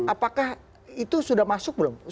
apakah itu sudah masuk belum